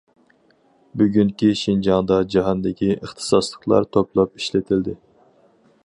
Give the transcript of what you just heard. بۈگۈنكى شىنجاڭدا جاھاندىكى ئىختىساسلىقلار توپلاپ ئىشلىتىلدى.